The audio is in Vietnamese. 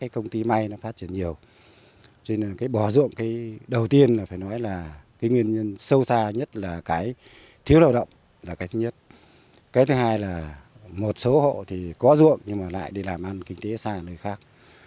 có ruộng nhưng lại đi làm ăn kinh tế xa nơi khác